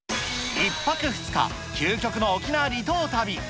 １泊２日、究極の沖縄離島旅。